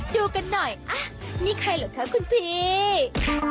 ดูกันหน่อยนี่ใครเหรอคะคุณพี่